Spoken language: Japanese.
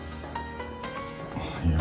あっいや。